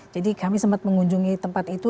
jadi kami sempat mengunjungi tempat itu